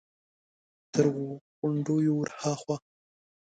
تر غونډيو ور هاخوا!